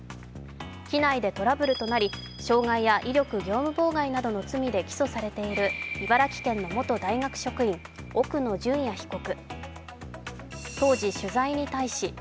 機内でトラブルとなり、傷害や威力業務妨害などの罪で起訴されている茨城県の元大学職員、奥野淳也被告。